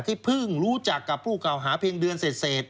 เพิ่งรู้จักกับผู้เก่าหาเพียงเดือนเสร็จ